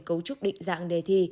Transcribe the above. cấu trúc định dạng đề thi